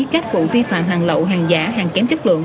các vụ vi phạm hàng lậu hàng giả hàng kém chất lượng